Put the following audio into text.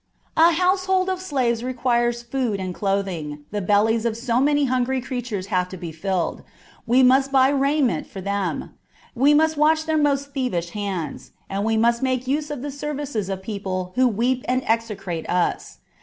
A household of slaves requires food and clothing : the bellies of so many hungry creatures have to be filled : we must buy raiment for them, we must watch their most thievish hands, and we must make use of the services of people who weep and execrate us.